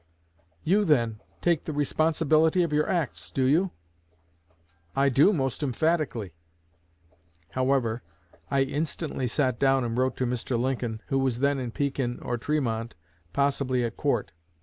'You, then, take the responsibility of your acts, do you?' 'I do, most emphatically.' However, I instantly sat down and wrote to Mr. Lincoln, who was then in Pekin or Tremont possibly at court.